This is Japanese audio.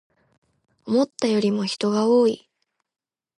思ったよりも人が多い